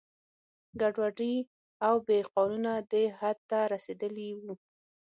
ګډوډي او بې قانونه دې حد ته رسېدلي وو.